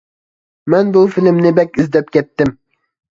مەن بۇ فىلىمنى بەك ئىزدەپ كەتتىم.